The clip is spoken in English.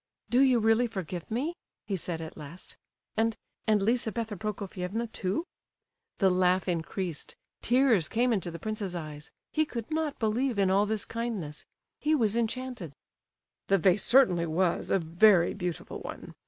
"Do you really forgive me?" he said at last. "And—and Lizabetha Prokofievna too?" The laugh increased, tears came into the prince's eyes, he could not believe in all this kindness—he was enchanted. "The vase certainly was a very beautiful one.